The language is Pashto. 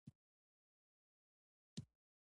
په توبې کښېنه، ګناه پرېږده.